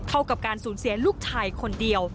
เท่ากับการสูญเสียลูกชายคนเดียว